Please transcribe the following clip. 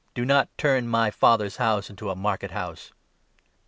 Do not turn my Father's House into a market house."